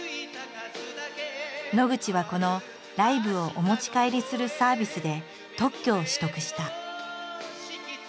野口はこの「ライブをお持ち帰りするサービス」で特許を取得した。